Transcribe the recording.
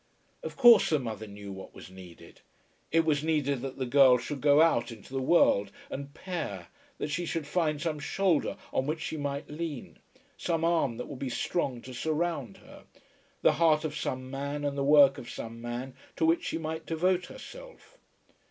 Of course the mother knew what was needed. It was needed that the girl should go out into the world and pair, that she should find some shoulder on which she might lean, some arm that would be strong to surround her, the heart of some man and the work of some man to which she might devote herself.